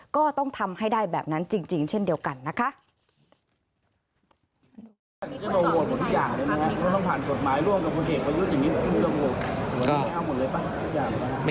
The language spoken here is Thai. ก็ต้องทำให้ได้แบบนั้นจริงเช่นเดียวกันนะคะ